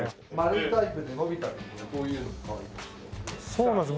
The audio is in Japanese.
そうなんです